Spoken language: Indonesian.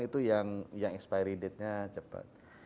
itu yang expiry date nya cepat